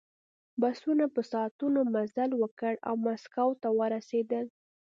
بسونو په ساعتونو مزل وکړ او مسکو ته ورسېدل